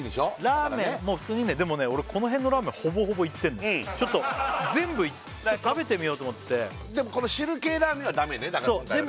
ラーメンもう普通にねでもね俺この辺のラーメンほぼほぼいってんのちょっと全部食べてみようと思ってでもこの汁系ラーメンはダメなんだよね